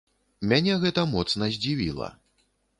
Мяне гэта моцна здзівіла.